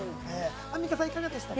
アンミカさんはいかがでしたか？